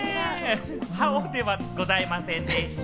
ではございませんでした。